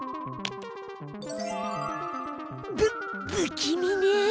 ぶ不気味ね。